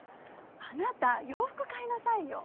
あなた洋服買いなさいよ。